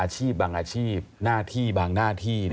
บางอาชีพหน้าที่บางหน้าที่